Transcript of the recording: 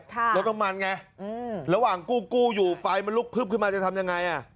รถน้ำมันไงระหว่างกู้กู้อยู่ไฟมันลุกพึบขึ้นมาจะทำยังไงอ่ะ